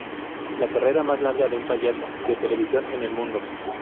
La carrera más larga de un payaso de televisión en el mundo.